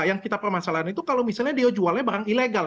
yang kita permasalahkan itu kalau misalnya dia jualnya barang ilegal